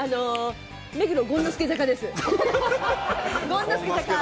目黒権之助坂です。